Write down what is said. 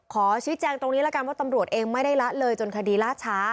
ขอชี้แจงตรงนี้ละกันว่าตำรวจเองไม่ได้ละเลยจนคดีล่าช้า